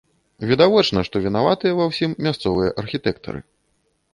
Відавочна, што вінаватыя ва ўсім мясцовыя архітэктары.